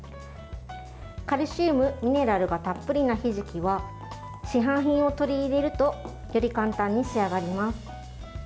カルシウム、ミネラルがたっぷりなひじきは市販品を取り入れるとより簡単に仕上がります。